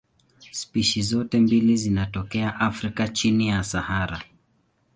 Spishi zote mbili zinatokea Afrika chini ya Sahara.